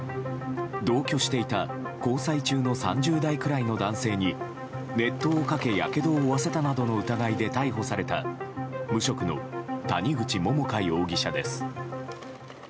同居していた交際中の３０代くらいの男性に熱湯をかけ、やけどを負わせたなどの疑いで逮捕された無職の谷口桃花容疑者です。